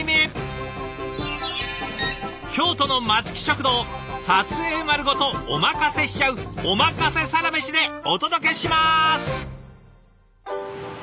京都の松木食堂撮影丸ごとおまかせしちゃう「おまかせサラメシ」でお届けします。